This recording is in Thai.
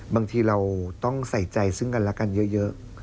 บางทีเราต้องใส่ใจซึ่งกันและกันเยอะ